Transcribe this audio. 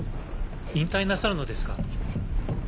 引退なさるのですか？